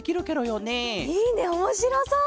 いいねおもしろそう！